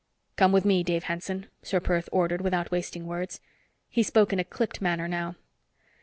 "Come with me, Dave Hanson," Ser Perth ordered, without wasting words. He spoke in a clipped manner now.